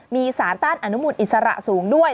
มีสารต้านอนุมูลอิสระสูงด้วย